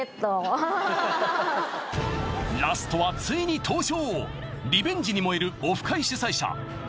ラストはついに登場！